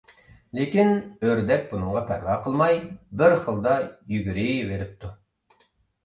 لېكىن، ئۆردەك بۇنىڭغا پەرۋا قىلماي بىر خىلدا يۈگۈرۈۋېرىپتۇ.